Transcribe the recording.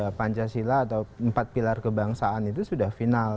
karena pancasila atau empat pilar kebangsaan itu sudah final